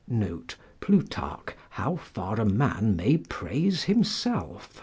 [Plutarch, How far a Man may praise Himself, c.